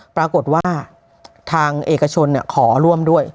ปรากฏว่าทางเอกชนขอร่วมด้วย